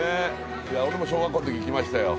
僕も小学校の時行きましたよ。